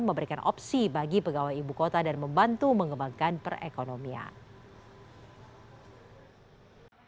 memberikan opsi bagi pegawai ibu kota dan membantu mengembangkan perekonomian